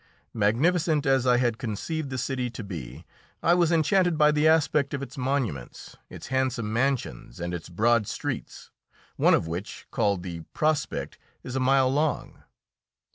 Magnificent as I had conceived the city to be, I was enchanted by the aspect of its monuments, its handsome mansions, and its broad streets, one of which, called the Prospekt, is a mile long.